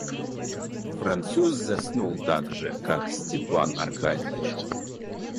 Француз заснул так же, как Степан Аркадьич.